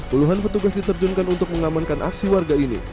puluhan petugas diterjunkan untuk mengamankan aksi warga ini